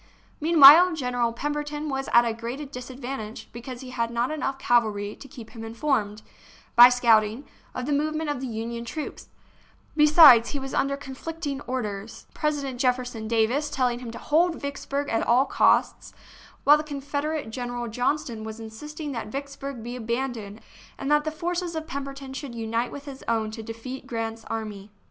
Meanwhile General Pemberton was at a great disadvantage because he had not enough cavalry to keep him informed, by scouting, of the move ment of the Union troops; besides, he was under conflicting orders, President Jefferson Davis tell ing him to " hold Vicksburg at all costs," while the Confederate General Johnston was insisting that Vicksburg be abandoned and that the forces of Pemberton should unite with his own to defeat Grant's army.